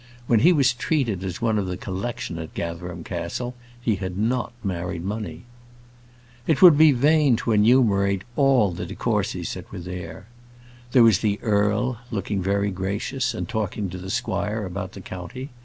When he was treated as one of the "collection" at Gatherum Castle, he had not married money. It would be vain to enumerate all the de Courcys that were there. There was the earl, looking very gracious, and talking to the squire about the county.